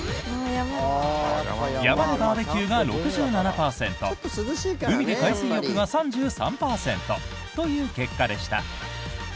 山でバーベキューが６７％海で海水浴が３３％という結果でした。